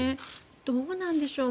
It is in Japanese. どうなんでしょう。